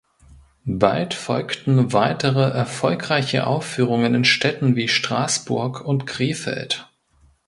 Bald folgten weitere erfolgreiche Aufführungen in Städten wie Straßburg und Krefeld.